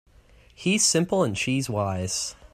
He's simple and she's wise.